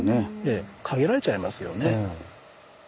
ええ。限られちゃいますよね。